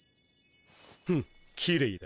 フッきれいだ。